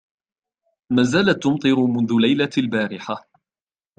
ما زالت تمطر منذ ليلة البارحة.